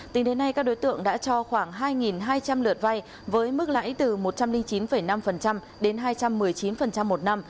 từ đến nay các đối tượng đã cho khoảng hai hai trăm linh lượt vay với mức lãi từ một trăm linh chín năm đến hai trăm linh